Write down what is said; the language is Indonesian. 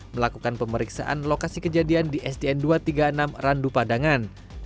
melakukan pemeriksaan lokasi kejadian di sdn dua ratus tiga puluh enam randu padangan